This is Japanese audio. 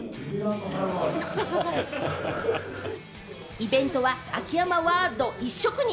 イベントは、秋山ワールド一色に。